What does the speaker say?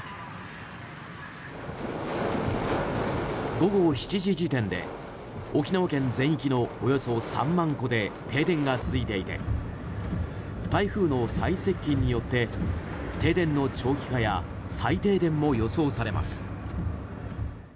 午後７時時点で沖縄県全域のおよそ３万戸で停電が続いていて台風の最接近によって停電の長期化や再停電も予想されます。